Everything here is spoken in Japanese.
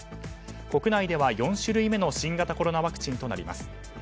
国内では４種類目の新型コロナワクチンとなります。